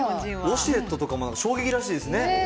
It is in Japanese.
ウォシュレットとか、衝撃らしいですね。